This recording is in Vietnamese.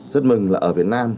rất mừng là ở việt nam